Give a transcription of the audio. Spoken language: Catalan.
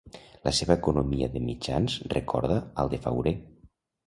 La seva economia de mitjans recorda al de Fauré.